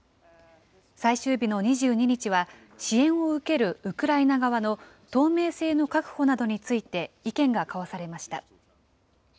最終日の２２日は、支援を受けるウクライナ側の透明性の確保などについて意見が交わされました。